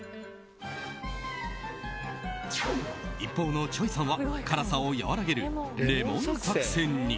一方のｃｈｏｙさんは辛さを和らげるレモン作戦に。